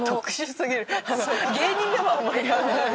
芸人でもあんまりやらない。